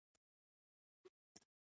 پیرودونکی د جنس کیفیت وستایه.